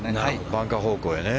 バンカー方向へね。